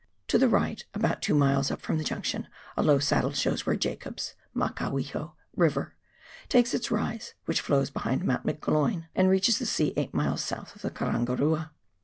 To the right, about two miles up from the junction, a low saddle shows where Jacob's (Makawiho) E,iver takes its rise, which flows behind Mount McGloin, and reaches the sea eifiht miles south of the Karangarua.